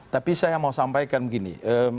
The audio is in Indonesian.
tapi saya mau sampaikan begini